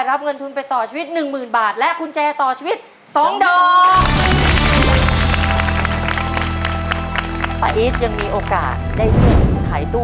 แล้วในมือของกระต่ายนั้นก็ถือแอปเปิ้ล